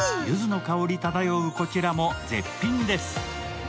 ゆずの香り漂うこちらも絶品です。